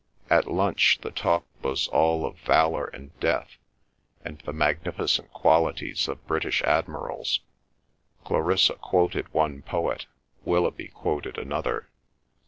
At lunch the talk was all of valour and death, and the magnificent qualities of British admirals. Clarissa quoted one poet, Willoughby quoted another.